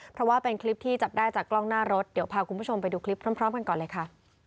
เพราะว่าเป็นคลิปที่จับได้จากกล้องหน้ารถเดี๋ยวพาคุณผู้ชมไปดูคลิปพร้อมกันก่อนเลยค่ะ